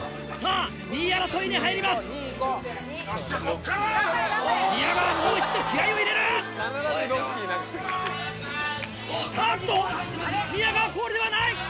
・あっと宮川コールではない！